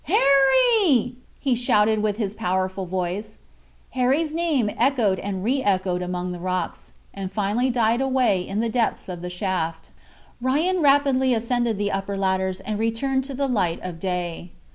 Harry!" he shouted with his powerful voice. Harry's name echoed and re echoed among the rocks, and finally died away in the depths of the shaft. Ryan rapidly ascended the upper ladders and returned to the light of day.